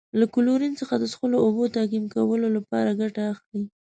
له کلورین څخه د څښلو اوبو تعقیم کولو لپاره ګټه اخلي.